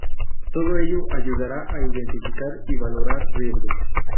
Todo ello ayudará a identificar y valorar riesgos.